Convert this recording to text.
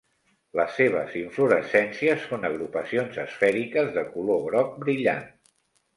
Les seves inflorescències són agrupacions esfèriques de color groc brillant.